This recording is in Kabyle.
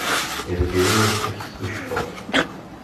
Izger i wassif s tuccfa.